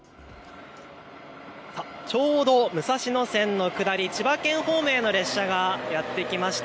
ちょうど武蔵野線の下り、千葉県方面の列車がやって来ました。